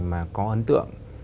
mà có ấn tượng